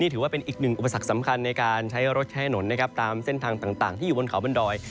ถือว่าเป็นอีกหนึ่งอุปสรรคสำคัญในการใช้รถใช้ถนนนะครับตามเส้นทางต่างที่อยู่บนเขาบรรดอย